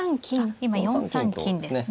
今４三金ですね。